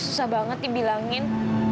susah banget dibilangin